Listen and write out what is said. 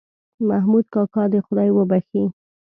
محمود کاکا دې خدای وبښې.